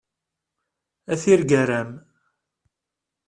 A tirgara-m!